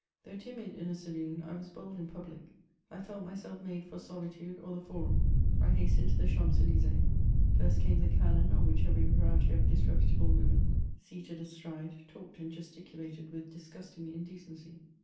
Though timid in a saloon, I was bold in public; I felt myself made for solitude or the forum; I hastened to the Champs* Elys^es. First came the cannon, on which every variety of disreputable women, seated astride, talked and gesticulated with disfi; usting indecency.